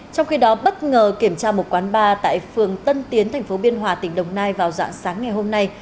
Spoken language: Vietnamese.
trong khi đó bất ngờ kiểm tra một quán bar tại phường tân tiến tp biên hòa tỉnh đồng nai vào dạng sáng ngày hôm nay